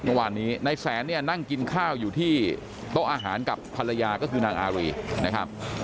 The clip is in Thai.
เมื่อวานนี้นายแสนเนี่ยนั่งกินข้าวอยู่ที่โต๊ะอาหารกับภรรยาก็คือนางอารีนะครับ